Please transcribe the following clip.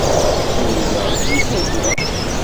Sami yerreẓ deg tagra.